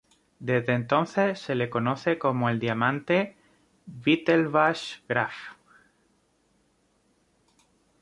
Desde entonces se le conoce como el diamante "Wittelsbach-Graff".